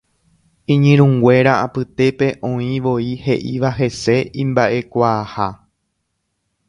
Iñirũnguéra apytépe oĩvoi he'íva hese imba'ekuaaha.